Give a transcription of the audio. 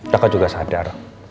kakak juga sadar